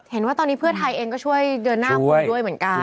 เห็นว่าตอนนี้เพื่อไทยเองก็ช่วยเดินหน้าคุยด้วยเหมือนกัน